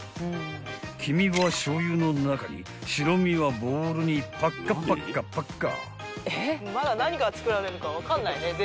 ［黄身は醤油の中に白身はボウルにパッカパッカパッカ］